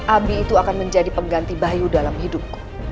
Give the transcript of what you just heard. abi itu akan menjadi pengganti bayu dalam hidup